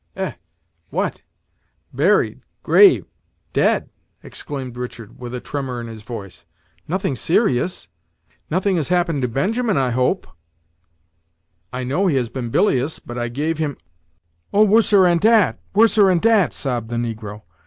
"Eh! what! buried! grave! dead!" exclaimed Richard, with a tremor in his voice; "nothing serious? Nothing has happened to Benjamin, I hope? I know he has been bilious, but I gave him " "Oh, worser 'an dat! worser 'an dat!" sobbed the negro.